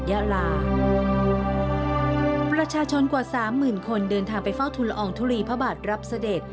ดังนั้น๕๐๐๐คนเดินทางไปเฝ้าทุนรอองทุรีพระบาทรับเสด็จ